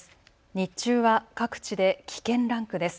日中は各地で危険ランクです。